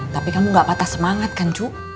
tapi kamu nggak patah semangat kan cu